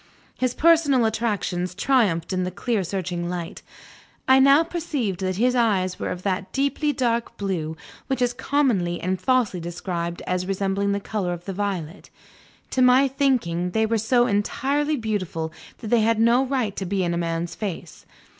His personal attractions triumphed in the clear searching light. I now perceived that his eyes were of that deeply dark blue, which is commonly and falsely described as resembling the color of the violet. To my thinking, they were so entirely beautiful that they had no right to be in a man's face.